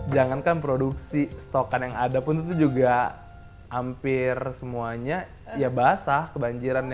jangankan produksi stokan yang ada pun itu juga hampir semuanya ya basah kebanjiran